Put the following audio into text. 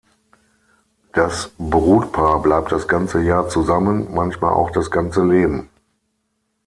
Das Brutpaar bleibt das ganze Jahr zusammen, manchmal auch das ganze Leben.